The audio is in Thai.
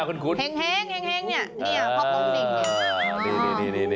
เฮ้งเพราะโป้งหนิ่ง